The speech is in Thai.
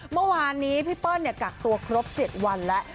เมื่อวานนี้พี่เปิ้ลกักตัวครบ๗วันแล้ว